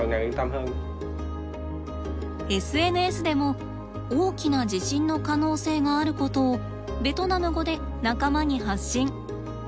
ＳＮＳでも大きな地震の可能性があることをベトナム語で仲間に発信。